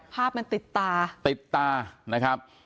ภาพมันติดตาติดตานะครับ